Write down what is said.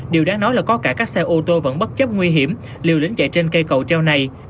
điều đáng nói là có cả các xe ô tô vẫn bất chấp nguy hiểm liều lĩnh chạy trên cây cầu treo này